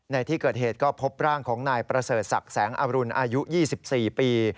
ในที่เกิดเหตุก็พบร่างของนายประเสริฐศักดิ์แสงอรุณอายุ๒๔ปี